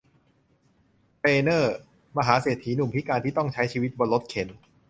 เทรย์เนอร์ มหาเศรษฐีหนุ่มพิการที่ต้องใช้ชีวิตบนรถเข็น